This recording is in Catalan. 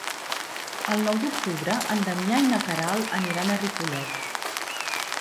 El nou d'octubre en Damià i na Queralt aniran a Ripollet.